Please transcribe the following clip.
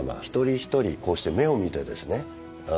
一人一人こうして目を見てですね